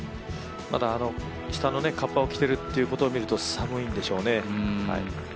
下の合羽を着ているというところを見ると寒いんでしょうね。